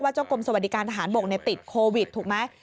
เจ้ากรมสวัสดิการทหารบกติดโควิดถูกไหม